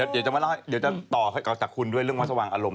เดี๋ยวจะต่อจากคุณด้วยเรื่องวัดสว่างอารมณ์